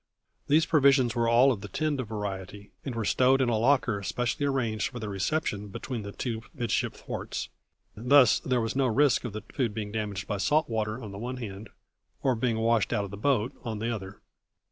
These provisions were all of the tinned variety, and were stowed in a locker specially arranged for their reception between the two midship thwarts. Thus there was no risk of the food being damaged by salt water, on the one hand, or of being washed out of the boat, on the other.